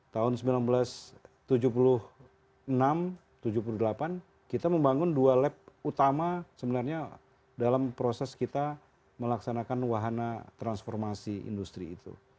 tahun seribu sembilan ratus tujuh puluh enam tujuh puluh delapan kita membangun dua lab utama sebenarnya dalam proses kita melaksanakan wahana transformasi industri itu